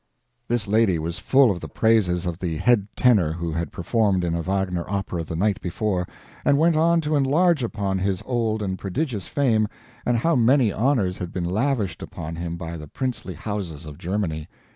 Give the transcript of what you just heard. This lady was full of the praises of the head tenor who had performed in a Wagner opera the night before, and went on to enlarge upon his old and prodigious fame, and how many honors had been lavished upon him by the princely houses of Germany.